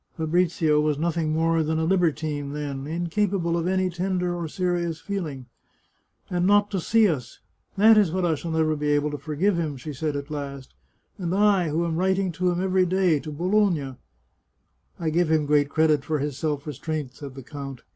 Fabrizio was nothing more than a libertine, then — inca pable of any tender or serious feeling !" And not to see us ! That is what I shall never be able to forgive him," she said at last. " And I, who am writting to him every day, to Bologna "" I give him great credit for his self restraint," said the count.